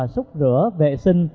xúc rửa vệ sinh